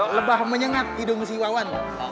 lebah menyengat hidung si wawan